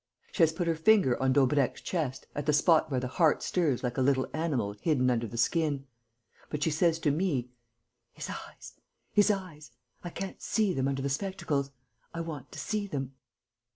She has put her finger on Daubrecq's chest, at the spot where the heart stirs like a little animal hidden under the skin. But she says to me, 'His eyes ... his eyes.... I can't see them under the spectacles.... I want to see them....